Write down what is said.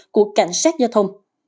của cảnh sát giao thông